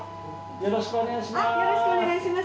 よろしくお願いします。